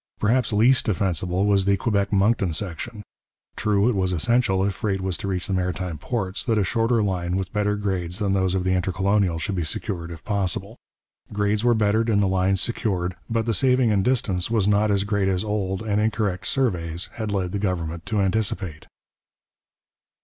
Perhaps least defensible was the Quebec Moncton section; true, it was essential, if freight was to reach the Maritime ports, that a shorter line with better grades than those of the Intercolonial should be secured if possible. Grades were bettered in the lines secured, but the saving in distance was not as great as old and incorrect surveys had led the government to anticipate.